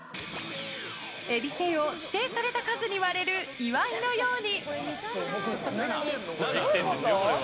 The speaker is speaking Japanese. えびせんを指定された数に割れる岩井のように。